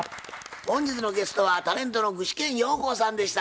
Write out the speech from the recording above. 本日のゲストはタレントの具志堅用高さんでした。